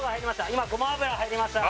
今ごま油入りました